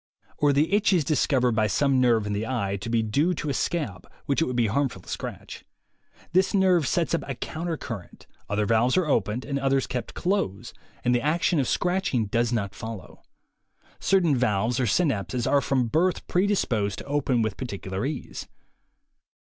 Or, the itch is discovered by some nerve in the eye to be due to a scab, which it would be harmful to scratch. This nerve sets up a counter current; other valves are opened and others kept closed, and the action of scratching does not follow. Certain valves, or synapses, are from birth predisposed to open with particular ease.